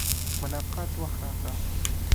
ملاقات وخت راکړ.